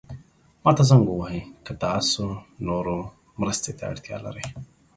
ما ته زنګ ووهئ که تاسو نورو مرستې ته اړتیا لرئ.